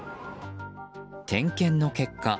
点検の結果